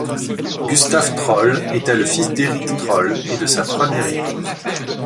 Gustave Trolle était le fils d’Erik Trolle et de sa première épouse.